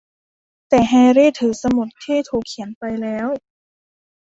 แต่แฮร์รี่ถือสมุดที่ถูกเขียนไปแล้ว